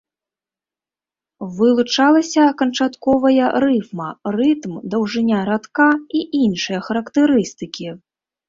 Вылучалася канчатковая рыфма, рытм, даўжыня радка і іншыя характарыстыкі.